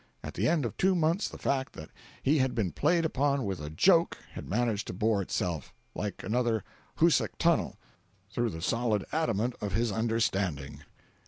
At the end of two months the fact that he had been played upon with a joke had managed to bore itself, like another Hoosac Tunnel, through the solid adamant of his understanding.